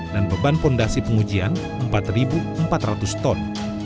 dan beban fondasi pengujian empat empat ratus ton